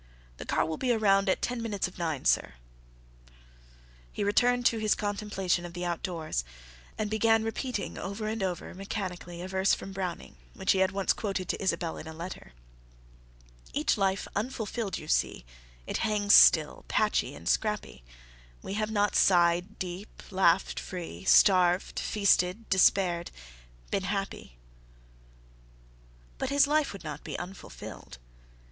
"The car will be around at ten minutes of nine, sir." He returned to his contemplation of the outdoors, and began repeating over and over, mechanically, a verse from Browning, which he had once quoted to Isabelle in a letter: "Each life unfulfilled, you see, It hangs still, patchy and scrappy; We have not sighed deep, laughed free, Starved, feasted, despaired—been happy." But his life would not be unfulfilled.